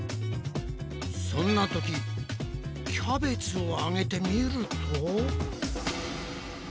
そんなときキャベツをあげてみると。